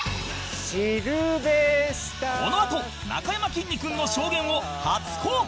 このあとなかやまきんに君の証言を初公開